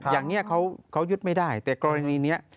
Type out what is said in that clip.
อย่างนี้เขายึดไม่ได้แต่กรณีนี้